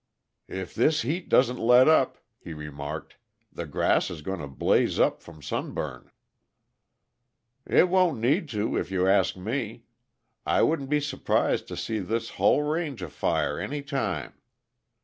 "If this heat doesn't let up," he remarked, "the grass is going to blaze up from sunburn." "It won't need to, if you ask me. I wouldn't be su'prised to see this hull range afire any time.